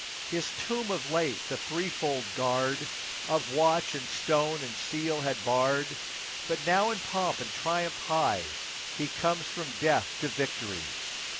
His tomb of late the threefold guard Of watch and stone and seal had barred ; But now, in pomp and triumph high, He comes from death to victory.